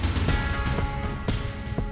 kita harus berhenti